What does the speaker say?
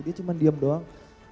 dia cuma diam doang